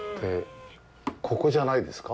ここじゃないですか？